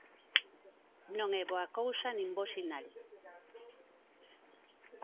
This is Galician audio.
Non é boa cousa nin bo sinal.